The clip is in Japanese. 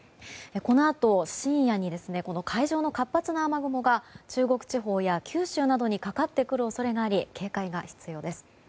このあと、深夜に海上の活発な雨雲が中国地方や九州などにかかってくる恐れがあり警戒が必要です。